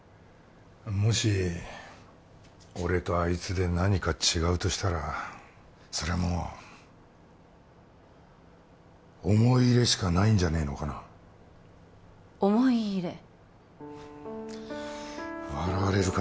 もし俺とあいつで何か違うとしたらそりゃもう思い入れしかないんじゃねえのかな思い入れ？